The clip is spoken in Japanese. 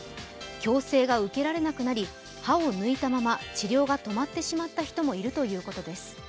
矯正が受けられなくなり、歯を抜いたまま治療が止まってしまった人もいるということです。